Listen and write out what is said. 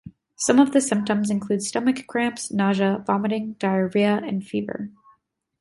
Some of the symptoms include stomach cramps, nausea, vomiting, diarrhea, and fever.